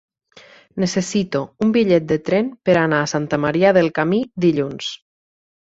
Necessito un bitllet de tren per anar a Santa Maria del Camí dilluns.